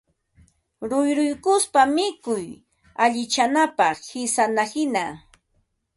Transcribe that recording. ruyruykuspa mikuy allichanapaq, qisanahina